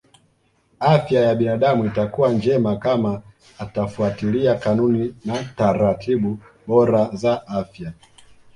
Afya ya binadamu itakuwa njema kama atafuatilia kanuni na taratibu bora za afya